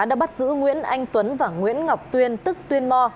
đã bắt giữ nguyễn anh tuấn và nguyễn ngọc tuyên tức tuyên mò